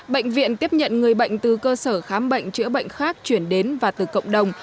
bệnh viện tiếp nhận người bệnh từ cơ sở khám bệnh chữa bệnh khác chuyển đến và từ cộng đồng